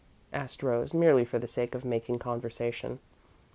asked Rose, merely for the sake of making conversation.